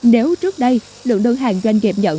nếu trước đây lượng đơn hàng doanh nghiệp nhận